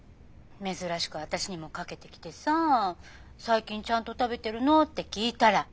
珍しく私にもかけてきてさ最近ちゃんと食べてるの？って聞いたら毎日イカ食べてるって言うのさ。